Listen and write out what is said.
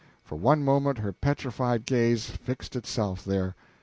For one moment her petrified gaze fixed itself there.